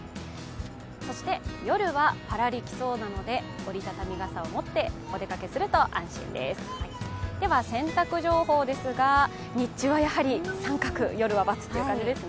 そして夜はパラリきそうなので折りたたみ傘を持ってお出かけすると安心ですでは洗濯情報ですが、日中はやはり△、夜は×という感じですね。